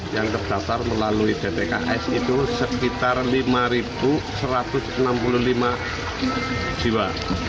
yang terdaftar melalui dtks itu sekitar lima satu ratus enam puluh lima jiwa